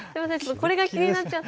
これが気になっちゃって。